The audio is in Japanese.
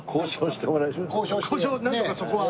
交渉なんとかそこは。